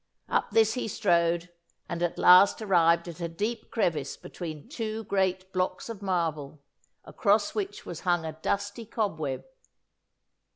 Up this he strode, and at last arrived at a deep crevice between two great blocks of marble, across which was hung a dusty cobweb.